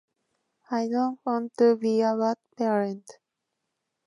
I don't want to be a bad parent.